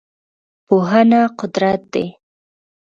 پوهنه قدرت دی.